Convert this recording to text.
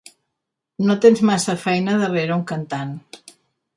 No tens massa feina darrere un cantant.